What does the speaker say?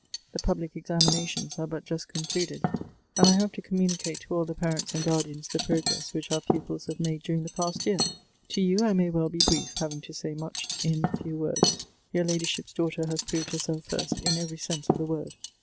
The public examinations .are but just concluded, and I have to communicate to all the parents and guardians the progress which our i)upils have made during the past year. To you I may well be brief, hav ing to say much in few words. Your ladyship's daughter has proved herself first in every sense of the word.